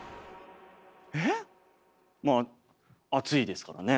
えっまあ暑いですからね。